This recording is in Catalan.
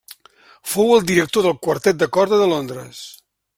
Fou director del Quartet de Corda de Londres.